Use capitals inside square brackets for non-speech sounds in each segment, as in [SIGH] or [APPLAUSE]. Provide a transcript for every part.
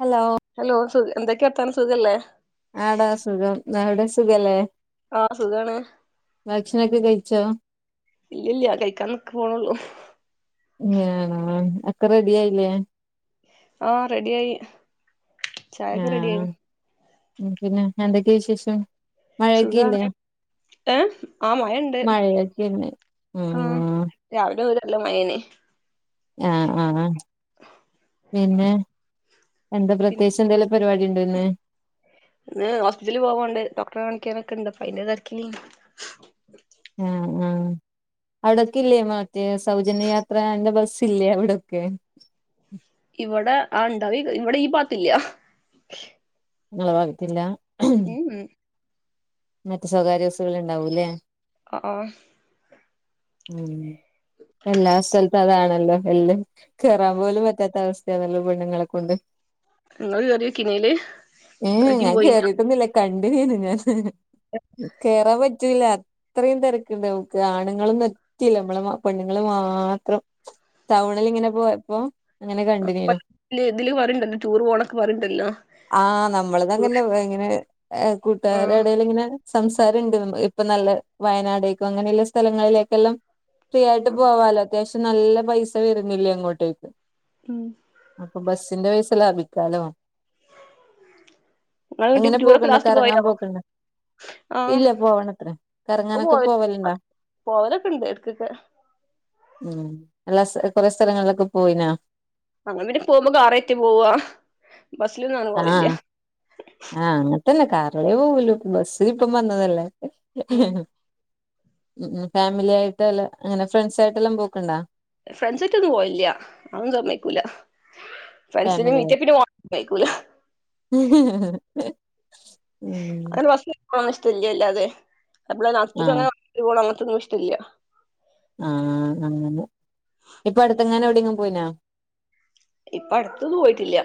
Hello hello സു എന്തൊക്കെ വർത്താണ് സുഖ അല്ലേ ആടാ സുഖം നവിടെ സുഖല്ലേ ആഹ് സുഖാണ് ഭക്ഷണൊക്കെ കഴിച്ചോ ഇല്ലില്ല കഴിക്കാൻ പോണൊള്ളു ഞ്ഞ ഒക്കെ റെഡി ആയില്ലേ ആഹ് റെഡി ആയി ചായൊക്കെ റെഡി ആയി ഉം പിന്നെ എന്തൊക്കെയ വിശേഷം സുഖാണ് മഴക്കല്ലേ ഏഹ് ആഹ് മഴണ്ട് മഴൊക്കന്ന ഉം രാവടെ രല്ലോ മയെനി ആഹ് ആഹ് പിന്നെ എന്താ പിന്നെ പ്രത്യേിച്ച് എന്തെേലും പരിപാടി ഉണ്ടോ ഇന്ന് ഇന്ന് ഹോസ്പിറ്റലിൽ പോവാാണ്ട് ഡോക്ടറെ കാണിക്കാനൊക്ക ഇണ്ട് അപ്പ അയ്ന്റെ രക്ക ആഹ് ആഹ് അവിടൊക്കെ ഇല്ലേ മറ്റേ സൗജന്യയാത്രന്റെ ബസ്സ ഇല്ലേ അവിടൊക്കെ ഇവിടെ ആ ഇണ്ടാവേ ഇവിടെ ഈ പാത്തില്ല [UNINTELLIGIBLE] ഉം ഉം മറ്റേ സ്വകാര്യ ബസ്സുകൾ ഉണ്ടാവൂല്ലേ ആഹ് ഉം എല്ലാ സ്ഥലത്തും അതാണല്ലോ എല്ലാം കേറാൻ പോലും പറ്റാത്ത അവസ്ഥയാണല്ലോ ബണ്ണങ്ങളെക്കെൊണ്ട് നിങ്ങള് കേറിയോ കിനേല്. [UNINTELLIGIBLE] കിില്ല കണ്ടീ ഞൻ കേറാൻ പറ്റി പറ്റല്ല അത്രയും തിരക്കുണ്ട് നമുക്ക്‌ ആണുങ്ങളും റ്റല്ല നമ്മളെ പെണ്ണുങ്ങള് മാത്രം ടൗണിൽിങ്ങനെ പോയപ്പോ അങ്ങനെ കണ്ടിനീനു എതില് പറയ്ണ്ടല്ലോ ടൂർ പോണൊക്കെ പറയ്ണ്ടല്ലോ ആഹ് നമ്മളതങ്ങനെ ഇങ്ങനെ ആഹ് കൂട്ടുകാരടൽ ഇങ്ങനെ സംസാരംണ്ട് ഇപ്പൊ നല്ല വയനാടേക്കും അങ്ങനെയുള്ള സ്ഥലങ്ങളിലേക്കെല്ലാം ഫ്രീ ആയിട്ട് പോവാലോ അത്യാവശ്യം നല്ല പൈസ വരുന്നില്ലേ അങ്ങോട്ടേക്ക് ഉം അപ്പൊ ബസിന്റെ പൈസ ലാഭിക്കാലോ ഇങ്ങള് എങ്ങട്ടേം അങ്ങനെ ടൂറൊക്കെ പോക്കണ്ട ലാസ്റ്റ് കറങ്ങാൻ പോയോ പോക്കണ്ട ആഹ് ഇല്ല പോവണത്ര കറങ്ങാനൊക്കെ പോവലണ്ടോ പോവലൊക്കണ്ട് എടക്കക്കേ ഉം എല്ലാ കൊറെ സ്ഥലങ്ങളിലൊക്കെ പോയിനാ അ അവര് പോകുമ്പോ കാറയ്റ്റ് പോവാ ബസ്സിലൊന്നും അനുഭവില്ല ആഹ് ആഹ് അങ്ങനത്തന്നെ കാറിലേ പോവലോ ബസ്സ് ഇപ്പം വന്നതല്ലേ ഉം ഉം ഫാമിലിായിയിട്ട്ല്ല അങ്ങനെ ഫ്രണ്ട്സ് ആയിട്ട്ല്ലാം പോക്കണ്ടാ ഫ്രണ്ട്സയിട്ടോന്നും പോയില്ല അതോന്നും സമ്മയ്ക്കൂല ഫ്രണ്ട്സിനെ ഫാമിലി ആയിട്ട് [UNINTELLIGIBLE] ഉം ഇഷ്ടല്ലല്ലാതെ [UNINTELLIGIBLE] ആഹ് അങ്ങനത്തെൊന്നും ഇഷ്ടല്ല ആഹ് അങ്ങനെ ഇപ്പടുത്തെങ്ങനെ എവിടെയെിലും പോയിനാ ഇപ്പ അടുത്തത് പോയിട്ടില്ല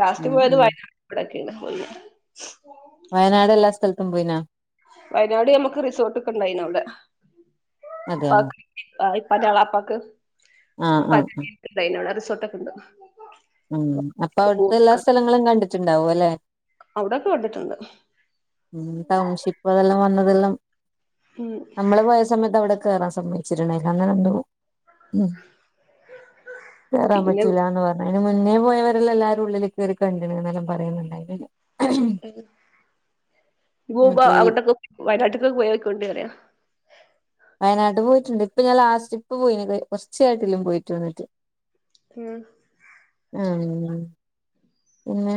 ലാസ്റ്റ് ഉം പോയത് ഉം വയനാടൊക്കെയാണ് വയനാട് എല്ലാ സ്ഥലത്തും പോയിനൊ വയനാട് നമ്മുക്ക് റിസോർട്ട് ഒക്കെ ഉണ്ടായിന്നു അവിടെ അതെയാ ഉപ്പാക്ക് ഇപ്പാൻ്റെ അളാപ്പക്ക് ആഹ് ആഹ് ആഹ് [UNINTELLIGIBLE] നല്ല സ്വത്ത്‌ ഒക്കെ ഉണ്ട് ഉം അപ്പൊ അവിടുത്തെ എല്ലാ സ്ഥലങ്ങളും കണ്ടിട്ടുണ്ടാവും അല്ലെ ഔടൊക്കെ കണ്ടിട്ടുണ്ട് ഉം ടൗൺഷിപ്പ് അതെല്ലാം വന്നതെല്ലാം ഉം നമ്മള് പോയ സമയത്ത് അവിടെ കേറാൻ സമ്മതി വിച്ചിട്ടുണ്ടായിരുന്നു ഇൻക്ക് വരാൻ പിന്നെ പറ്റൂല എന്ന് പറഞ്ഞു അയ്ന്നെ മുന്നേ പോയവരെല്ലാം എല്ലാരും ഉള്ളിലാ കേറി കണ്ട്ണ് എന്നെല്ലാം പറയുന്നുണ്ടായിരുന്നു പൊകുബോ അങ്ങട്ടൊക്കെ വയനാട്ട്ക്കൊക്കെ പോയൊക്കോണ്ടി പറയാ വയനാട്ട് പോയിട്ടുണ്ട് ഇപ്പൊ ഞാൻ ലാസ്റ്റ്ട്രിപ്പ് പോയിണത് കുറച്ചയായിട്ടൊള്ളു പോയിട്ട് വന്നിട്ട് ഉം ആഹ് പിന്നെ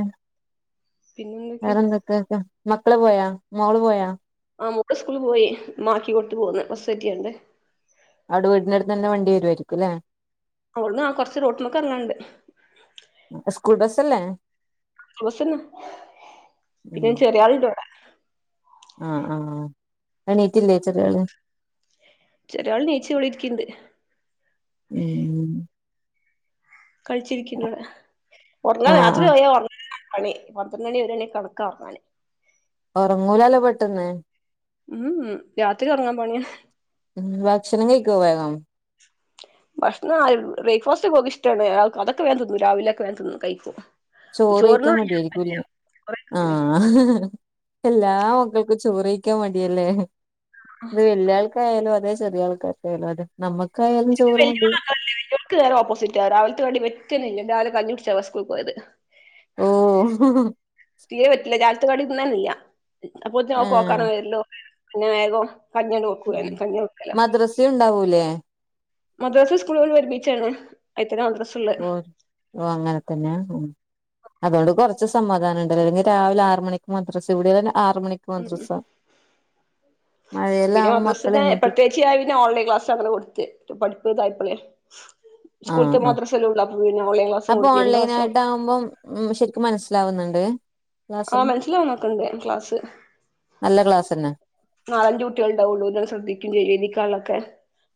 പിന്നെന്തൊക്കെയാ വേറെന്തൊക്കെയാ മക്കള് പോയോ മോള് പോയോ ആ മുബ് സ്കൂള് പോയി ണ്ടാക്കിക്കൊട്ത്ത് പോന്ന് ബസ്സേറ്റിക്കാണ്ട് അവടെ വീടിന്റടുത്ത് ന്നെന്നെ വണ്ടി വരുയാര്ക്കും ല്ലേ ഇവ്ട്ന്ന കൊർച്ച് റോട്ട്മ്മക്കെർങ്ങാണ്ട് സ്കൂൾ ബസ്സല്ലേ ക്കൂൾ ബസ്സെന്നെ പിന്നെ ചെറിയാള്ണ്ട് വടെ ആ ആ എണീറ്റില്ലേ ചെറിയാള് ചെറിയാള് നീച്ച് വടെ ഇരിക്ക്ണ്ട് ഉം ഉം കളിച്ചിരിക്ക്ണ്ട് വടെ ഒർങ്ങാ ആഹ് രാത്രി ആഹ് വെരെ [UNINTELLIGIBLE] കളി പന്ത്രണ്ടണി വെരെ കണക്കാ ഒറങ്ങാന് ഒറങ്ങൂലല്ലോ പെട്ടെന്ന് ഉം ഉം രാത്രി ഒർങ്ങാ പണിയാ ഉം ഭക്ഷണം കഴിക്കോ വേഗം ഭക്ഷണം ആ ബ്രേക്ക്ഫാസ്‌റ്റൊക്കെ ഓക്ക് ഇഷ്ട്ടാണ് അതൊക്കെ വേഗം തിന്നും രാവിലൊക്കെ വേം തിന്നും കഴിക്കും ചോറ്കഴിക്കാൻ ചോറിനോട് മടിയായിരിക്കുംല്ലേ ആ എല്ലാ മക്കക്കും ചോറ്കഴിക്കാൻ മടിയല്ലേ ൻ്റെ വെല്ല്യാൾക്ക് ൽതായാലും അതെ ചെറിയാൾക്കാര്ക്കായാലും അതെ നമ്മക്കായാലും ഇൻ്റെ ചോറ് വല്ല്യൊള് മടിയാ അങ്ങനല്ല വല്ല്യൊൾക്ക് നേരോപ്പോസിറ്റാ രാവിൽത്തെ കടി പറ്റെന്നല്ല രാവിലെ കഞ്ഞികുടിച്ചാ സ്കൂള് പോയത് ഓ തീരെ പറ്റ്ല രാവിൽത്തെ കടി ന്നല്ല അപ്പൊത്തിനോക്ക് ആഹ് ഓക്കാനം വെരലും പിന്നെ വേഗം കഞ്ഞിയാണ്ട് കൊടുക്കും ഞാന് കഞ്ഞികൊടുക്കലാ [UNINTELLIGIBLE] ണ്ടാവൂലെ മദ്രസ്സും സ്കൂളോള് ഒരുമിച്ചാണ് അയ്ത്തെന്നെ മദ്രസ്സും ഓ ഓ അങ്ങനെത്തെന്നെയാ അതോണ്ട് കൊർച്ച് സമാധാനണ്ട് അല്ലെങ്കില് രാവിലെ ആറ് മണിക്ക് മദ്രസ്സ വിടലും ആറ് മണി ക്ക് ഉം മദ്രസ്സ പിന്നെ മഴയെല്ലാവുമ്പോ മക്കളെ മദ്രസിന് എണീപ്പി [UNINTELLIGIBLE] ഓൺലൈൻ ക്ലാസങ്ങനെ കൊട്ത്ത് പഠിപ്പ് തായപ്പളെ ആഹ് സ്കൂള്ത്തും ആഹ് മദ്രസ്സെല്ലും ണ്ട് അപ്പം ഓൺലൈൻ ക്ലാസ്സോ അപ്പൊ [UNINTELLIGIBLE] ക്ലാസ്സോ [UNINTELLIGIBLE] ഉം ശെരിക്കും മനസ്സിലാവുന്നുണ്ട് ആ ക്ലാസ് മനസ്സിലാവ്ന്നൊക്കെണ്ട് ക്ലാസ്സ് നല്ല ക്ലാസ് തന്നെ നാലഞ്ച് കുട്ട്യാള്ണ്ടാവുള്ളൂ ലെ ശ്രദ്ധിക്കും ചെയ്യും എഴുതിക്കാള്ളൊക്കെ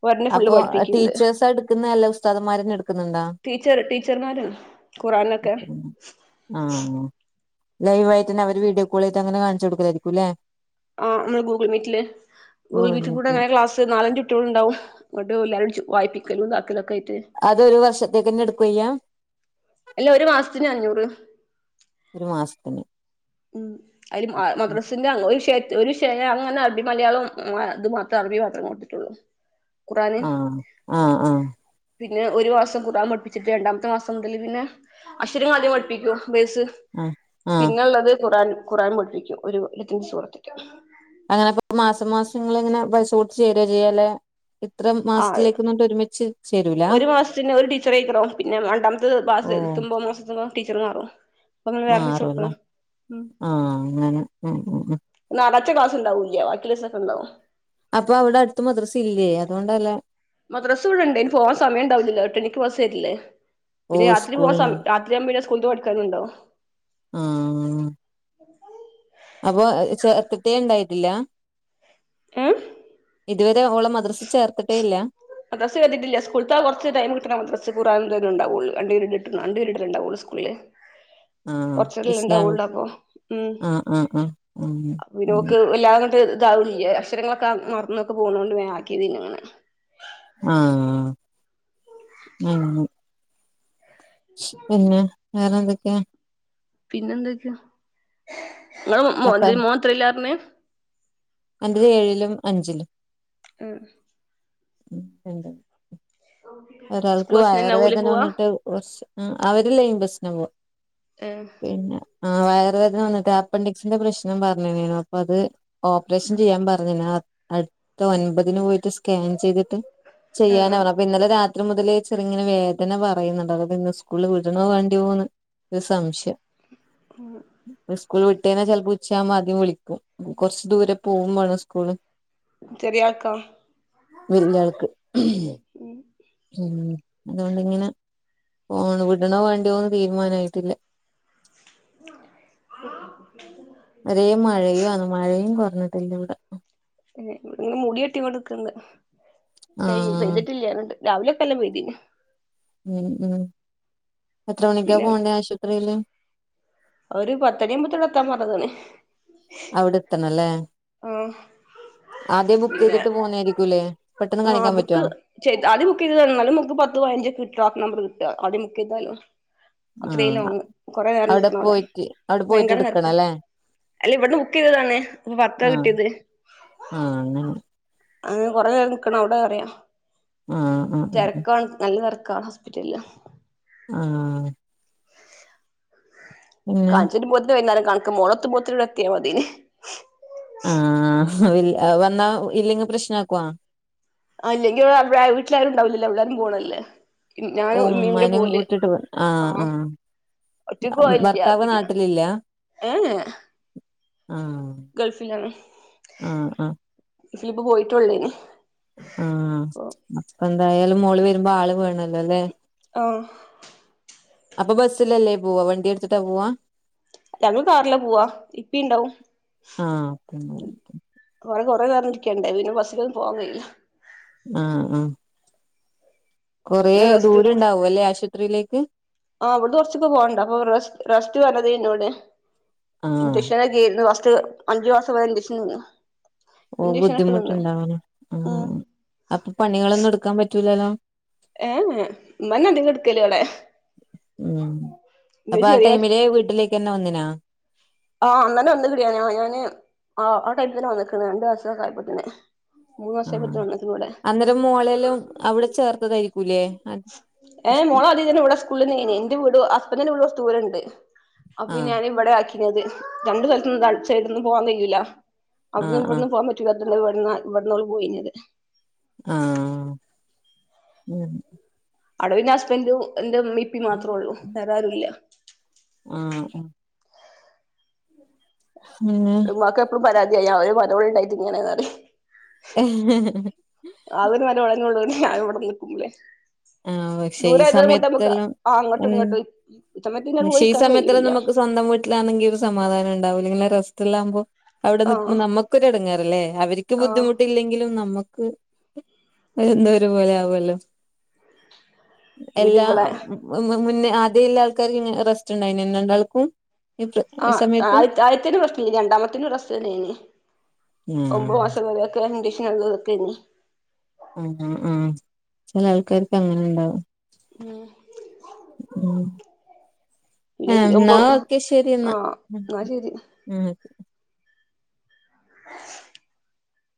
ഓരെന്നെ ഫുള്ള് അപ്പൊ പഠിപ്പിക്ക്ണ്ട് ടീച്ചേഴ്സാ എടുക്കുന്ന അല്ല ഉസ്താദന്മാരന്നെ എടുക്കുന്നുണ്ടാ ടീച്ചർ ടീച്ചർമ്മാരാണ് ഖുർആനൊക്കെ ആ ലൈവായിട്ടെന്നെ അവര് വീഡിയോ കോൾ ചെയ്ത്ട്ടങ്ങനെ കാണിച്ചു കൊടുക്കലായിരിക്കുംല്ലേ ആ അന്ന് ഗൂഗിൾ മീറ്റില് ഗൂഗിൾ മീറ്റിൽ കൂടങ്ങനെക്ലാസ് നാലഞ്ച് ട്ട്യോള്ണ്ടാവും ന്ന്ട്ട് എല്ലാരും ചോ വായ്പിക്കലും താക്കലൊക്കായിട്ട് അതൊരു വർഷത്തേക്ക്ന്നെട്ക്കെയ്യ അല്ല ഒരു മാസത്തിന് അഞ്ഞൂറ് ഒരു മാസത്തിന് ഉം അയ്ല് മദ്രസിന്റെ ഒരു ഷയാ ഒരുഷാ അങ്ങനെ അറബി മലയാളം ഇത് മാത്രേ അറബി മാത്രം കൊടുത്ത്ട്ടൊള്ളു [INAUDIBLE] [INAUDIBLE] കുറാന് ആഹ് ആഹ് ആഹ് പിന്നെ ഒരു മാസം ഖുറാൻ പഠിപ്പിച്ചിട്ട് രണ്ടാമത്തെ മാസം മുതൽ പിന്നെ അക്ഷരാദ്യം പഠിപ്പിക്കും ബേസ് ആഹ് ആഹ് പിന്നെള്ളത് ഖുറാൻ ഖുറാൻ പഠിപ്പിക്കും ഒരു [UNINTELLIGIBLE] അങ്ങനെപ്പ മാസം മാസങ്ങള്ങ്ങനെ പൈസ കൊടുത്ത് ചേരാ ചെയ്യാലെ ഇത്ര ആഹ് മാസത്തിലേക്ക് ന്നറ്ഞ്ട്ട് ഒരുമിച്ച് ചേരൂല ഒരു മാസത്തിന് ഒരു ടീച്ചറേക്കല്ലോ പിന്നെ രണ്ടാമത്തെ ഓ മാസം എത്തുമ്പോ [UNINTELLIGIBLE] ടീച്ചർ മാറും അപ്പൊ നമ്മള് വേറെ ടീച്ചർ മാറുല്ലേ എടുക്കണം ഉം ആഹ് അങ്ങനെ ഉം ഉം ഉം ഞാറാഴ്ച്ച ക്ലാസ്ണ്ടാവൂല്ല്യാ. ബാക്കിള്ളീസൊക്കെ ഇണ്ടാവും അപ്പൊ അവടെ അട്ത്ത് മദ്രസ്സില്ലേ? അതോണ്ടല്ലാ മദ്രാസ്സ് ഇവിടെണ്ട് അയ്നി പോവാൻ സമയണ്ടാവുല്ലല്ലോ എട്ടണിക്ക് ബസ്സെര്ല്ല്യേ ഓ പിന്നെ രാത്രി പോവാൻ സ്കൂളിന് സം രാ ത്രിയാവുമ്പം പിന്നെ സ്കൂള്ത്തെ പഠിക്കാന്ണ്ടാവും ആഹ് അപ്പൊ ഏഹ് ഈ ചേർത്തിട്ടേ ഇണ്ടായിട്ടില്ലാ ഉം ഇതുവരെ ഓളെ മദ്രസ്സ് ചേർത്തിട്ടേ ഇല്ല മദ്രസ്സ് ചേർത്തിട്ടില്ല സ്കൂള്ത്താ കൊറച്ച് ടൈമ് കിട്ട്ണ് മദ്രസ്സ് ഖുർആനും ഇതന്നെ ഇണ്ടാവൊള്ളൂ. രണ്ട് പിരീഡ് ഇട്ത്ത്ന്നൊ രണ്ട് പിരീഡില്ലെ ഇണ്ടാവോള്ളൂ സ്കൂള്ല് [INAUDIBLE] കൊറ്ച്ചെല്ലേ ഇസ്ലാമിക് ഇണ്ടാവോള്ളൂ അപ്പൊ ഉം ആഹ് ആഹ് ആഹ് ആഹ് അപ്പോ പിന്നെ ഓള്ക്ക് ഉം വെ ല്ലാന്ന്ട്ട് ഇതാവ്ണല്ലേ. അക്ഷരങ്ങളൊക്കാ മറ്ന്നൊക്കെ പോണോണ്ട് വേം ആക്കിയത്തേനു അങ്ങനെ ആഹ് ഉം പിന്നെ വേറെ എന്തൊക്കെയാ? പിന്നെ എന്തൊക്കെയാ? ഇങ്ങളെ മോ അപ്പ മോന്റെ മോൻ എത്രല്ലാർഞ്ഞേ അന്റത് ഏഴിലും അഞ്ചിലും ആഹ് ഉം ഇണ്ട് സ്കൂൾ ഒരാൾക്ക് ബസ്സിനന്നെ വയറ് ആവൂലേ വേദന പോവാ വന്ന്ട്ട് കൊറ്ച്ച് ഉം അവര് ലൈൻ ബസ്സിനാ പോവാ ഏഹ് പിന്നെ ആഹ് വയറുവേദന വന്ന്ട്ട് അപ്പൻഡിക്സിന്റെ പ്രശ്നം പറ്ഞ്ഞത്തേനു അപ്പൊ അത് ഓപ്പറേഷൻ ചെയ്യാൻ പറഞ്ഞ്നാ അട്ത്ത ഒൻപതിന് പോയിട്ട് സ്കാൻ ചെയ്തിട്ട് ആഹ് ചെയ്യാനാ ആഹ് പറ്ഞ്ഞേ അപ്പെ ഇന്നലെ രാ ത്രി മുതലേ ചെറ്ങ്ങനെ വേദന പറയ്ന്ന്ണ്ട് അത് പിന്നെ സ്കൂള്ല് വിടണോ വേണ്ടിയോന്ന് ഒര് സംശയം ഉം ഇപ്പ സ്കൂള് വിട്ടയ്ഞ്ഞാ ചെലപ്പോ ഉച്ചയാവുമ്പം ആര്ക്കേ വിളിക്കും. കൊറച്ച് ദൂരെ പോവുമാണം സ്കൂള് ചെറിയാക്കോ? വല്യ ആൾക്ക് വെല്ല്യേ ഉം ഉം അതോണ്ട്ങ്ങനെ പോണ് വിടണോ വേണ്ടിയോന്ന് തീരുമാനായിട്ടില്ല [UNINTELLIGIBLE] ഒരേ മഴയും ആന്ന് മഴയും കൊറഞ്ഞിട്ടില്ലാ ഇവടെ [UNINTELLIGIBLE] മൂടികെട്ടിങ്ങോണ്ട് നിക്ക്ണ്ട് പെയ് ആഹ് പെയ്തിട്ടില്ലാങ്ങണ്ട് രാവിലെ ഒക്കെല്ലാം [UNINTELLIGIBLE] ഉം ഉം എത്ര മണിക്കാ പിന്നെ പോവണ്ടേ ആശുവത്രീയില് ഒരു പത്തണിയാവുമ്പത്തിന് അവടെ എത്താൻ പറഞ്ഞതാണ് അവടെ എത്തണല്ലേ ആഹ് ആദ്യം പിന്നെ ബുക്കെയ്ത്ട്ട് പോവുന്നേര്ക്കൂല്ലേ പെട്ടെന്ന് കാണിക്കാൻ പറ്റോ ചെ ആദ്യം ബുക്കെയ്ത് വന്നാലും നമുക്ക് പത്ത് പതിനഞ്ച്ക്കെ കിട്ടാ നമ്പർ കിട്ടാ ആദ്യം ബുക്കെയ്താലും അത്രിം ആഹ് ലോങ് കൊറേ നേരം അവിടെ നിക്കണവടെ പോയിട്ട് അവിടെ പോയിട്ട് ഭയങ്കര തെരക്കാ എടുക്കണല്ലേ അല്ലെ ഇവട്ന്ന് ബുക്കെയ്തതാണ്. ഇഞ്ഞ് പ ത്താ ആഹ് കിട്ടിയെത് ആഹ് അങ്ങനെ അങ്ങനെ കൊറേ നേരം നിക്കണം അവടെറിയാ ആഹ് ആഹ് ആഹ് തെരക്കാണ് നല്ല തെരക്കാ ഹോസ്പിറ്റല്ല് ആഹ് പിന്നെ കാൺചേരും പോത്തിന് വൈന്നാരം കണക്ക് മോളത്ത് പോത്തിന് വടേ എത്തിയാ മതീന്. ആഹ് വിൽ അഹ്‌ വന്നാ ഇല്ലെങ്കി പ്രശ്നാക്കോ ആഹ് ഇല്ലെങ്കി ഇവടെ ഇവടാരും വീട്ട്ലാരും ഇണ്ടാവില്ലല്ലോ എല്ലാരും പോണല്ലേ ഞാനും ഓഹ് ഉമ്മയും കൂടെ ഉമ്മാനേം പോവല് കൂട്ടിട്ട് വെ ആഹ് ആഹ് ഒറ്റക്ക് ആഹ് പോവലില്ല ഭർത്താവ് പിന്നെ നാട്ട്ലില്ലാ ഏ ഏ ആഹ് ഗൾഫിലാണ് ആഹ് ആഹ് പക്ഷേ ഇപ്പം പോയിട്ടോള്ളേനി ആഹ് അപ്പൊ എന്തായാലും മോള് വരുമ്പോ ആള് വേണല്ലോല്ലേ ആഹ് അപ്പൊ ബസ്സിലല്ലേ പോവാ വണ്ടി എടുത്തിട്ടാ പോവാ ഞങ്ങള് കാറിലാ പോവാ ഇപ്പാ ഇണ്ടാവും ആഹ് വടെ കൊറേ നേരം ഇരിക്കണ്ടേ പിന്നെ ബസിലൊന്നും പോകാൻ വയ്യ ആഹ് ആഹ് കൊറേ പിന്നെ റെസ്റ്റ് ദൂരം ഉണ്ടാവും ല്ലെ ആശുപത്രിയിലേക്ക് ആഹ് അവിടെ കുറച്ചൊക്കെ പോവണ്ട അപ്പൊ റസ്റ്റ് പറഞ്ഞതേ ന്നോട് ആഹ് ഇഞ്ചക്ഷൻ വീര്ന്ന് ഫസ്റ്റ് അഞ്ച് മാസം വരേ ഇൻജെക്ഷന് ന്ന്. ഓ ബുദ്ധിമുട്ട്ണ്ടാവാല്ലോ ഉം അപ്പൊ പണികളൊന്നും എടുക്കാൻ പറ്റൂലല്ലോ ഏ ഹ് ഇമ്മന്നെ അധികം എട്ക്കലിവിടെ ഉം ചെറിയ ക്കന്നെ ഒന്നിനാ ആഹ് അന്നന്നേ വന്ന് കിടിയ ആ ഞാന് ആ ആ ടൈമ് തന്നെ വന്ന്ക്ക്ണ് രണ്ടൂസക്കേ ആയപ്പത്തിന്. ആഹ് അന്നേരം മോളല്ലും അവിടെ ചേർത്തതായിരിക്കൂല്ലേ ഏഹ് മോളദ്യം തന്നെ ഇവിടെ സ്കൂളിലഞ്ഞയ്നി ഇന്റെ വീട് ഹസ്ബന്ഡറിന്റെ വീട് കുറച്ച്ദൂരം ഉണ്ട് അപ്പൊ ആഹ് ഞാനൻ -ഇവിടെ ആക്കിത് രണ്ടു സ്ഥലത്തും അിച്ചട്ടൊന്നും [UNINTELLIGIBLE] പോവാാൻ കഴിയൂല ആഹ് അവിടുന്ന് ആഹ് ഇവിടന്ന് പോകാൻ പറ്റില്ലാത്തുണ്ട് [UNINTELLIGIBLE] ഇവിട ഇവിടന്നോള് പോയിത് ആഹ് അവിടെ പിന്നെ ഹസ്ബന്റും ഇന്റെ ഉമ്മയിപ്പി മാത്രേള്ളു വേറെ ആരുംല്ല ആഹ് പിന്നെ ട്ട് ഇമ്മാക്ക് എപ്പോളും പരാതിയായി ഞ അവര് മലപടി [UNINTELLIGIBLE] ഉണ്ടായിത് ഇങ്ങനെന്ന് ആന് വരെ വളങ്ങുള്ളവന് [UNINTELLIGIBLE] ഞാൻ ഇവിടെ നിൽക്കുമ്പോളേ ആഹ് പക്ഷെ ഈ സമയത്തെല്ലാം ആ അങ്ങോട്ടും ഉം ഇങ്ങോട്ടും ഇച്ചമ്മക്ക് ഇങ്ങനെ പോയി ഷെ ഈ നിക്കാൻ സമയത്തെല്ലാം കഴിയൂല്ല നമുക്ക് സ്വന്തം വീ വീട്ടിലാണെങ്കിൽ ഒരു സമാധാനംണ്ടാവും അല്ലെങ്കിൽ റസ്റ്റിലാകുമ്പോ അവിടെ ആഹ് നിക്കുമ്പോ നമുക്കൊരു എടങ്ങേറല്ലേ അവരിക്ക് ക്ക് ആഹ് ബുദ്ധിമുട്ടില്ലെങ്കിലും നമുക്ക് എന്തോ ഒരു പോലെ ആവുല്ലോ പിന്നെ എല്ലാ ഇവിടെ മുന്നേ ആദ്യല്ല ആൾക്കാര് ഇ റസ്റ്റ് ഇണ്ടായിനെ രണ്ടാൾക്കും. ഈ പ്ര- ഈ ആഹ് സമയത്ത് ആഹ് ആദ്യത്തേന് റസ്റ്റില്ലേനി രണ്ടാമത്തേന് റസ്റ്റ് തന്നെയനി ആഹ് ഒമ്പത് മാസം വരെ കണ്ടീഷനൊള്ളോർക്കന്നെ ആഹ് ആഹ് ചില ആൾക്കാർക്ക് അങ്ങനെ ഇണ്ടാവും ഉം ഉം എഹ് പിന്നെ ന്നാ ഒമ്പത് ഒക്കെ ശരിയെന്നാ ആഹ് എന്നാ ശരി